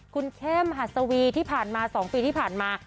คุณเข้มหัสวีที่ผ่านมา๒ปีที่ผ่านมา